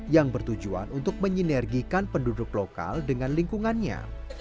yang bertujuan untuk menyinergikan penduduk lokal dengan lingkungannya